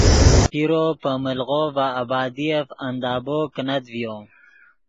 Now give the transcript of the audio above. پیرو پے ملغو ڤے آبادیف اندابو کینت ڤیو